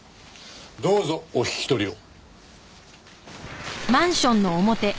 どうぞお引き取りを。